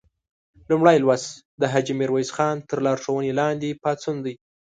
لومړی لوست د حاجي میرویس خان تر لارښوونې لاندې پاڅون دی.